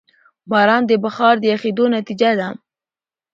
باران د بخار د یخېدو نتیجه ده.